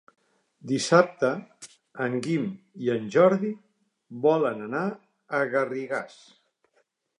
Dissabte en Guim i en Jordi volen anar a Garrigàs.